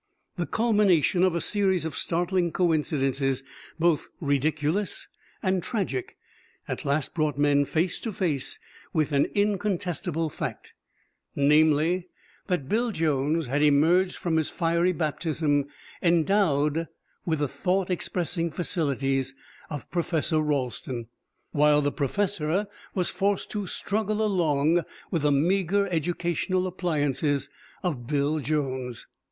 The culmination of a series of startling coincidences, both ridiculous and tragic, at last brought men face to face with an incontestable fact: namely, that Bill Jones had emerged from his fiery baptism endowed with the thought expressing facilities of Professor Ralston, while the professor was forced to struggle along with the meager educational appliances of Bill Jones!